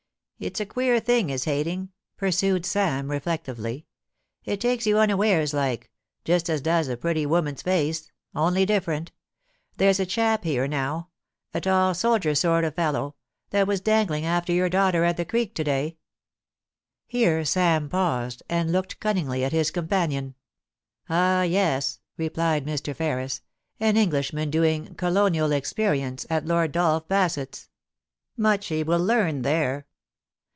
It's a queer thing is hating,' pursued Sam, reflectively. * It takes you unawares like — ^just as does a pretty woman's face, only different. There's a chap here now — a tall, soldier sort of fellow — that was dangling after your daughter at the creek to day ' Here Sam paused, and looked cunningly at his companion. THE WORSHIP OF SHAKESPEARE. '219 *Ah, yes!* replied Mr. Ferris. *An Englishman doing colonial experience " at Lord Dolph Bassett's. Much he will learn there